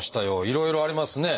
いろいろありますね。